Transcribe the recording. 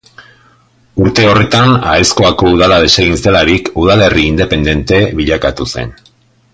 Urte horretan, Aezkoako udala desegin zelarik, udalerri independente bilakatu zen.